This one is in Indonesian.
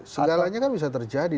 segalanya kan bisa terjadi